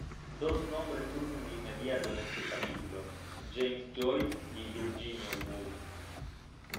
Dos nombres surgen de inmediato en este capítulo: James Joyce y Virginia Woolf.